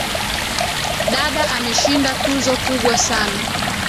Dada ameshinda tuzo kubwa sana